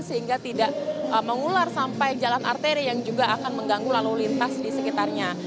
sehingga tidak mengular sampai jalan arteri yang juga akan mengganggu lalu lintas di sekitarnya